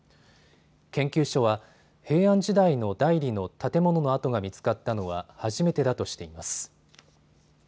研究所は平安時代の内裏の建物の跡が見つかったのは初めてだとしています。